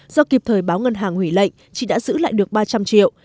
do kịp thời báo ngân hàng hủy lệnh chị đã giữ lại được ba trăm linh triệu